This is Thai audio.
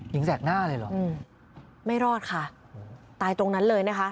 แสกหน้าเลยเหรออืมไม่รอดค่ะตายตรงนั้นเลยนะคะ